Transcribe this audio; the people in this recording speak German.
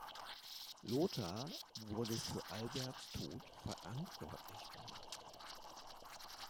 Lothar wurde für Alberts Tod verantwortlich gemacht.